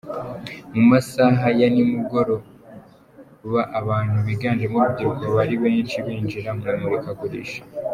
Mu masaha ya ni mugoro abantu biganjemo urubyiruko baba ari benshi binjira mu imurikagurisha.